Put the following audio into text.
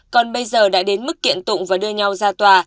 còn bây giờ đã đến mức kiện tụng và đưa nhau ra tòa